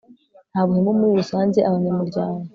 nta buhemu muri rusange abanyamuryango